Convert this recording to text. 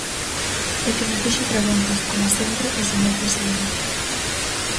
É que me fixo preguntas, coma sempre, o señor presidente.